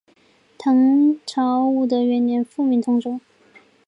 唐朝武德元年复名通州。